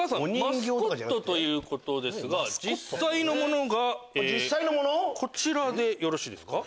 マスコットということですが実際のものがこちらでよろしいですか？